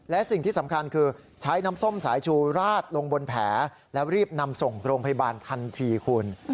และสิ่งที่สำคัญคือใช้น้ำส้มสายชูราดลงบนแผลแล้วรีบนำส่งโรงพยาบาลทันทีคุณ